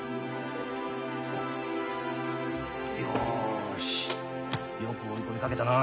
よしよく追い込みかけたな。